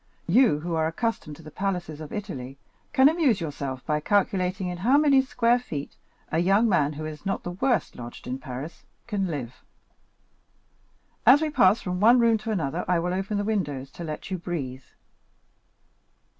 You, who are accustomed to the palaces of Italy, can amuse yourself by calculating in how many square feet a young man who is not the worst lodged in Paris can live. As we pass from one room to another, I will open the windows to let you breathe."